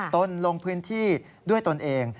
ลงพื้นที่ด้วยตนเอง